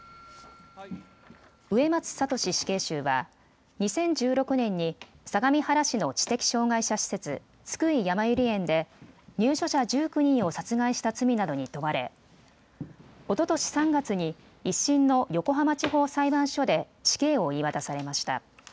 植松聖死刑囚は２０１６年に相模原市の知的障害者施設津久井やまゆり園で入所者１９人を殺害した罪などに問われおととし３月に１審の横浜地方裁判所で死刑を言い渡されました。